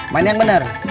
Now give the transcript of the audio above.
main yang bener